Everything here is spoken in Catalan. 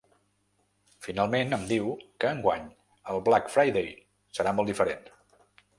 Finalment, em diu que enguany el “Black Friday” serà molt diferent.